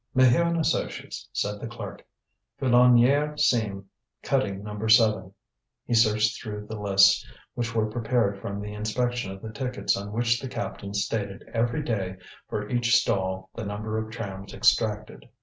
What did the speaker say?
"Maheu and associates," said the clerk, "Filonniére seam, cutting No. 7." He searched through the lists which were prepared from the inspection of the tickets on which the captains stated every day for each stall the number of trams extracted.